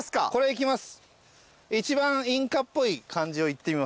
いきます。